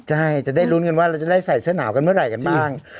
ใช่จะได้ลุ้นกันว่าเราจะได้ใส่เสื้อหนาวกันเมื่อไหร่กันบ้าง